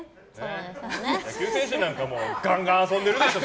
野球選手なんかガンガン遊んでるでしょ。